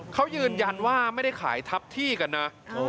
เขายืนยันว่าไม่ได้ขายทับที่กันนะ